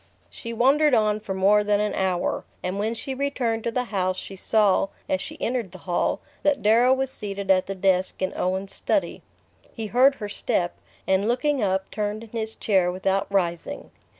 She wandered on for more than an hour, and when she returned to the house she saw, as she entered the hall, that Darrow was seated at the desk in Owen's study. He heard her step, and looking up turned in his chair without rising.